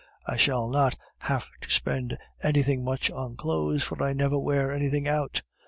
I shall not have to spend anything much on clothes, for I never wear anything out.